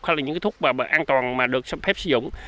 hay là những thuốc an toàn mà được phép sử dụng